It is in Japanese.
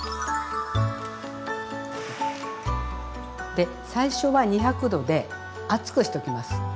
で最初は２００℃で熱くしときます。